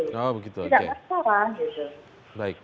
tidak ada masalah